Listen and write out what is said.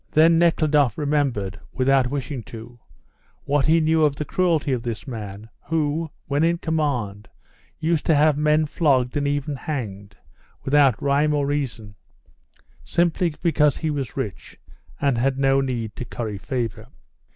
Then Nekhludoff remembered, without wishing to, what he knew of the cruelty of this man, who, when in command, used to have men flogged, and even hanged, without rhyme or reason, simply because he was rich and had no need to curry favour.